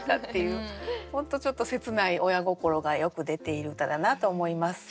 本当ちょっと切ない親心がよく出ている歌だなと思います。